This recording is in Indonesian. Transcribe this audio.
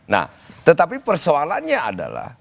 nah tetapi persoalannya adalah